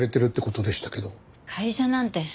会社なんて。